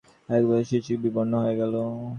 এবার শশী একটু বিবর্ণ হইয়া গেল।